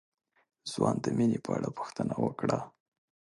ځوان د مينې په اړه پوښتنه وکړه.